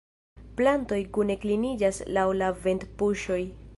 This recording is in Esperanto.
Plantoj kune kliniĝas laŭ la ventpuŝoj.